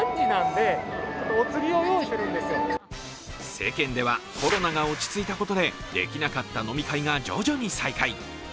世間ではコロナが落ち着いたことでできなかった飲み会が徐々に再開。